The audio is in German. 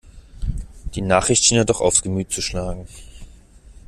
Die Nachricht schien ihr doch aufs Gemüt zu schlagen.